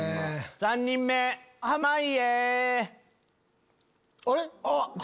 ３人目濱家！